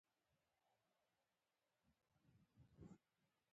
د جرمونو سزا د ټولنې د امنیت لپاره مهمه ده.